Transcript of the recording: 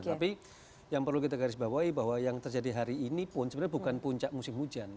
tapi yang perlu kita garis bawahi bahwa yang terjadi hari ini pun sebenarnya bukan puncak musim hujan